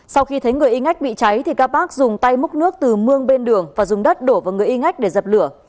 sau khi thấy người y ngách bị cháy thì kapat dùng tay múc nước từ mương bên đường và dùng đất đổ vào người y ngách để dập lửa